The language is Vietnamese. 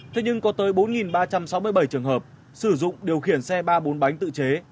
thế nhưng có tới bốn ba trăm sáu mươi bảy trường hợp sử dụng điều khiển xe ba bốn bánh tự chế